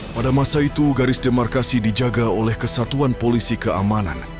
pada masa itu garis demarkasi dijaga oleh kesatuan polisi keamanan